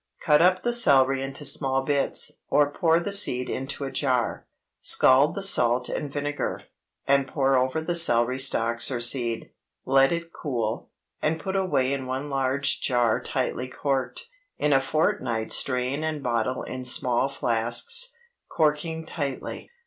Cut up the celery into small bits, or pour the seed into a jar; scald the salt and vinegar, and pour over the celery stalks or seed; let it cool, and put away in one large jar tightly corked. In a fortnight strain and bottle in small flasks, corking tightly.